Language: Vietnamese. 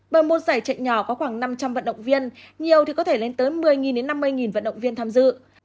bởi một giải chạy nhỏ có khoảng năm trăm linh vận động viên nhiều thì có thể lên tới một mươi đến năm mươi vận động viên tham dự